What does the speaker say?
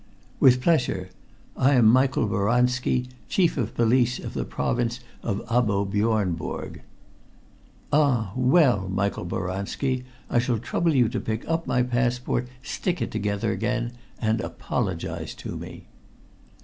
"With pleasure. I am Michael Boranski, Chief of Police of the Province of Abo Biornebourg." "Ah! Well, Michael Boranski, I shall trouble you to pick up my passport, stick it together again, and apologize to me."